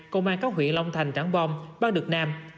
công an các huyện long thành trảng bom bắt được nam